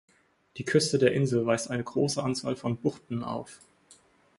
Die Küste der Insel weist eine große Anzahl von Buchten auf.